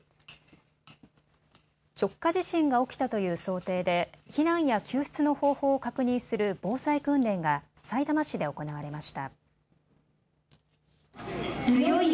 直下地震が起きたという想定で避難や救出の方法を確認する防災訓練がさいたま市で行われました。